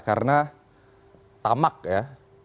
karena tamak ya